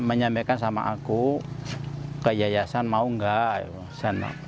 menyampaikan sama aku ke yayasan mau nggak